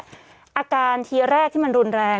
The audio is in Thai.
อาการทีแรกที่มันรุนแรง